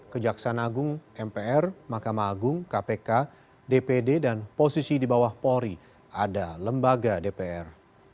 kejaksaan agung mpr mahkamah agung kpk dpd dan posisi di bawah polri ada lembaga dpr